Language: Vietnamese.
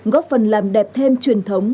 góp phần làm đẹp thêm truyền thống